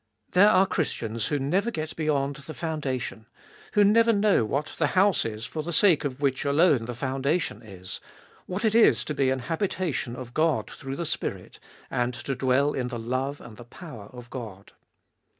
There are Christians who never get beyond the foundation, who never know what the house is for the sake of which alone the foundation is; what it is to be an habitation of God through the Spirit, and to dwell in the love and the power of God.